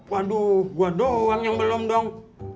waduh gue doang yang belum dong